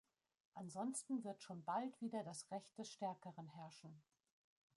Ansonsten wird schon bald wieder das Recht des Stärkeren herrschen.